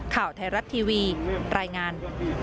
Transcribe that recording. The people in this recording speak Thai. ข่าวไทยรัฐทีวีรายงาน